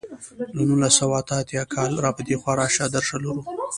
له نولس سوه اته اته کال را په دېخوا راشه درشه لرو.